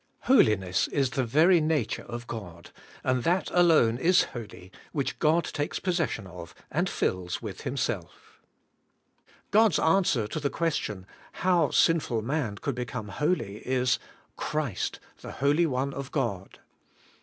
Holiness is the very nature of God, and that alone is holy which God takes possession of and fills loith Him self. God's answer to the question. How sinful man could become holy? is, * Christ, the Holy One of 74 ABIDE IN CHRIST: God.'